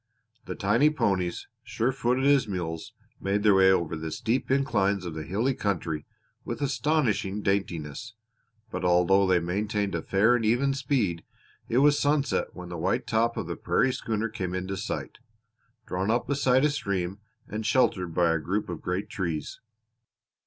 The tiny ponies, sure footed as mules, made their way over the steep inclines of the hilly country with astonishing daintiness, but although they maintained a fair and even speed it was sunset when the white top of the prairie schooner came into sight, drawn up beside a stream and sheltered by a group of great trees.